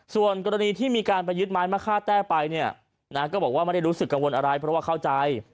ส่วนกรณีที่มีการไปยึดไม้มะค่าแต้ไปเนี่ยนะก็บอกว่าไม่ได้รู้สึกกังวลอะไรเพราะว่าเข้าใจ